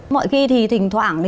mọi khi thì thỉnh thoảng